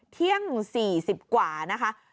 เที่ยงสี่สิบกว่านะคะ